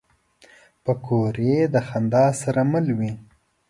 پکورې د خندا سره مل وي